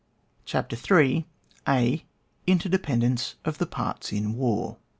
CHAPTER HL ^ —INTERDEPENDENCE OF THE PARTS IN WAR.